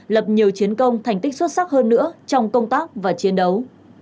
lập nhiều chiến công thành tích xuất sắc hơn nữa trong công tác và chiến đấu